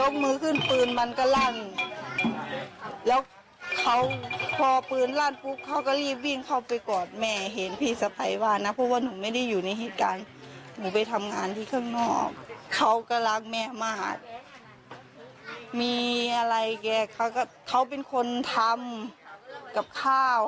เขาก็รักแม่มากมีอะไรแก่เขาก็เขาเป็นคนทำกับข้าว